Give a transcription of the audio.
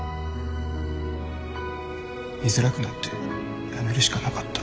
居づらくなって辞めるしかなかった。